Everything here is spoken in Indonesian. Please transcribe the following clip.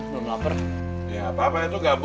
belum lapar ya apa apa itu gabung